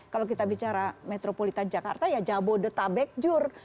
kalau kita bicara metropolitan jakarta ya jabodetabekjur